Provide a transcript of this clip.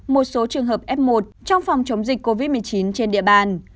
một số trường hợp f một trong phòng chống dịch covid một mươi chín trên địa bàn